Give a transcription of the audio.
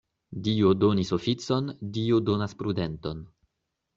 Dio donis oficon, Dio donas prudenton.